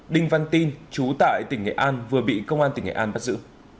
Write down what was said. đinh văn tin chú tại tỉnh nghệ an vừa bị công an tỉnh nghệ an bắt giữ